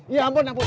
ya ampun ampun